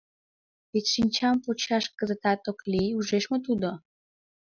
Вет шинчам почаш кызытат ок лий, ужеш мо тудо?